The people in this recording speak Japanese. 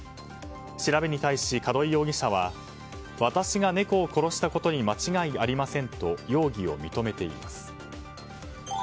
調べに対し角井容疑者は私が猫を殺したことに間違いありませんと容疑を認めています。